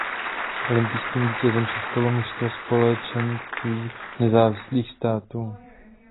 Olympijským vítězem se stalo mužstvo Společenství nezávislých států.